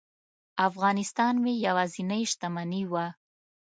افغانستان مې یوازینۍ شتمني وه.